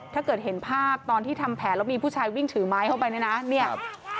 ถ้าเกิดเห็นภาพตอนที่ทำแผนแล้วมีผู้ชายวิ่งถือไม้เข้าไปเนี่ยนะเนี่ย